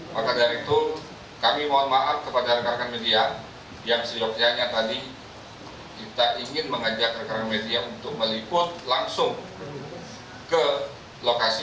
maka dari itu kami mohon maaf kepada rekan rekan media yang sejatinya tadi kita ingin mengajak rekan rekan media untuk meliput langsung ke lokasi